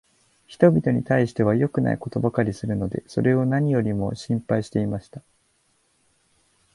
人びとに対しては良くないことばかりするので、それを何よりも心配していました。